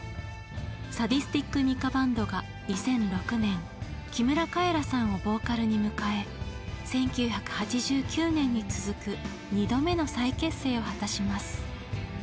サディスティック・ミカ・バンドが２００６年木村カエラさんをボーカルに迎え１９８９年に続く２度目の再結成を果たします。